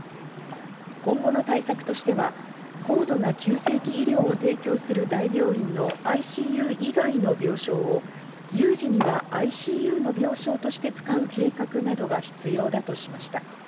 今後の対策としては高度な急性期医療を提供する、大病院のＩＣＵ以外の病床を有事にはＩＣＵの病床として使う計画などが必要だとしました。